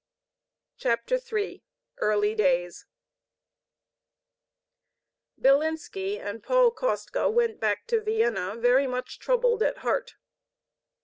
CHAPTER III EARLY DAYS Bilinski and Paul Kostka went back to Vienna, much troubled at heart.